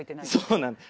そうなんです。